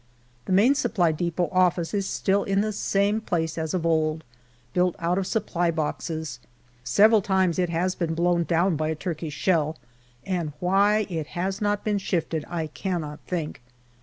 The Main Supply depot office is still in the same place as of old, built out of supply boxes. Several times it has been blown down by a Turkish shell, and why it has not been shifted I cannot think.